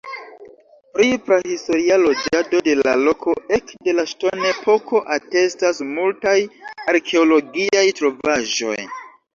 Pri prahistoria loĝado de la loko ekde la ŝtonepoko atestas multaj arkeologiaj trovaĵoj.